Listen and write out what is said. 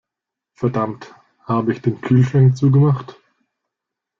Verdammt, habe ich den Kühlschrank zu gemacht?